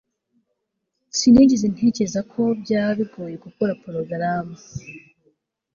sinigeze ntekereza ko byaba bigoye gukora porogaramu